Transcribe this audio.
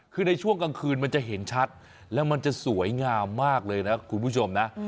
คือในช่วงกลางคืนมันจะเห็นชัดแล้วมันจะสวยงามมากเลยนะคุณผู้ชมนะ